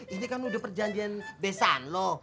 ini kan udah perjanjian besan loh